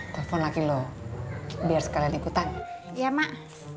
telepon lagi loh biar sekalian ikutan ya mak